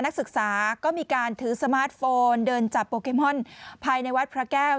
นักศึกษาก็มีการถือสมาร์ทโฟนเดินจับโปเกมอนภายในวัดพระแก้ว